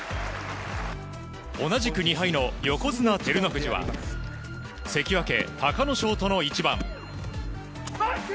同じく２敗の横綱・照ノ富士は関脇・隆の勝との一番。